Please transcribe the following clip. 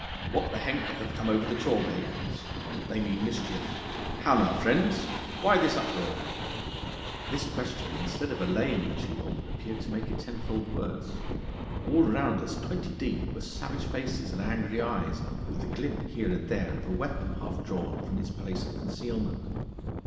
'What the henker hath come over the chaw bacons? They mean mischief. How now, friends, why this uproar?' This question instead of allaying the tumult appeared to make it tenfold worse. All round us twenty deep were savage faces and angry eyes, with the glint here and there of a weapon half drawn from its place of concealment.